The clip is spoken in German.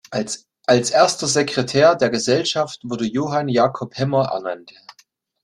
Als erster Sekretär der Gesellschaft wurde Johann Jakob Hemmer ernannt.